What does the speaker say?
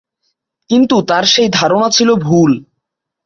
কিন্তু তার সেই ধারণা ছিল ভুল।